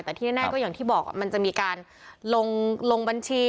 แต่ที่แน่ก็อย่างที่บอกมันจะมีการลงบัญชี